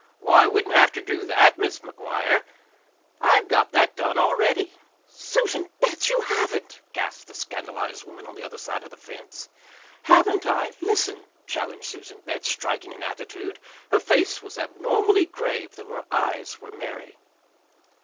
"Oh, I wouldn't have ter do that, Mis' McGuire. I've got that done already." "Susan Betts, you haven't!" gasped the scandalized woman on the other side of the fence. "Haven't I? Listen," challenged Susan Betts, striking an attitude. Her face was abnormally grave, though her eyes were merry.